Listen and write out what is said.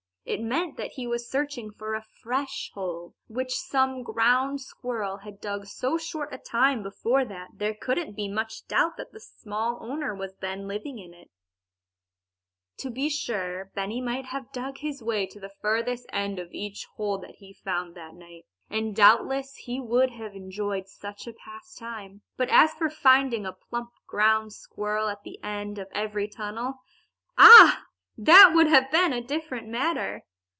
It meant that he was searching for a fresh hole, which some ground squirrel had dug so short a time before that there couldn't be much doubt that the small owner was then living in it. [Illustration: Mr. Ground Squirrel Escapes from Benny.] To be sure, Benny might have dug his way to the furthest end of each hole that he found that night. And doubtless he would have enjoyed such a pastime. But as for finding a plump ground squirrel at the end of every tunnel ah! that would have been a different matter.